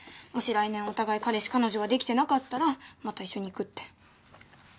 もし来年お互い彼氏彼女ができてなかったらまた一緒に行くって。